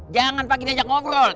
jangan pak kita ajak ngobrol